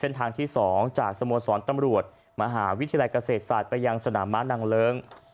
ทางที่๒จากสโมสรตำรวจมหาวิทยาลัยเกษตรศาสตร์ไปยังสนามม้านางเลิ้ง